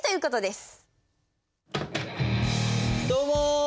どうも！